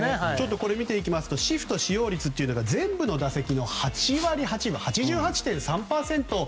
これを見ていきますとシフト使用率が全部の打席の８８．３％